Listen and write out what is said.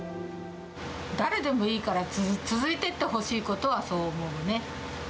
誰でもいいから続いてってほしいことは、そう思うね。